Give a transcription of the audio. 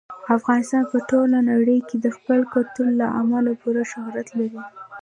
افغانستان په ټوله نړۍ کې د خپل کلتور له امله پوره شهرت لري.